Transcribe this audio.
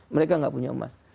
mereka gak punya emas